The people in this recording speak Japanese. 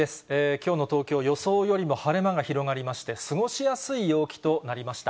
きょうの東京、予想よりも晴れ間が広がりまして、過ごしやすい陽気となりました。